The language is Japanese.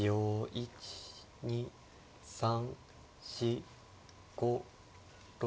１２３４５６。